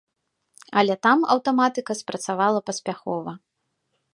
Але там аўтаматыка спрацавала паспяхова.